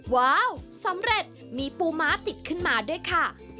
ว้าวสำเร็จมีปูม้าติดขึ้นมาด้วยค่ะ